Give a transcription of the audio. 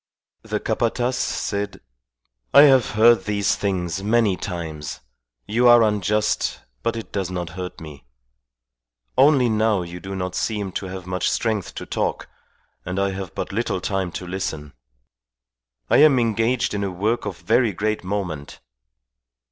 The Capataz said, "I have heard these things many times. You are unjust, but it does not hurt me. Only now you do not seem to have much strength to talk, and I have but little time to listen. I am engaged in a work of very great moment."